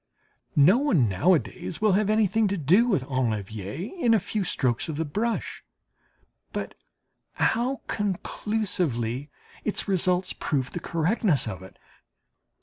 No one nowadays will have anything to do with enlever in a few strokes of the brush. But how conclusively its results prove the correctness of it!